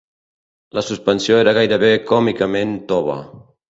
La suspensió era gairebé còmicament tova.